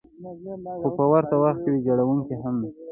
خو په ورته وخت کې ویجاړونکې هم ده.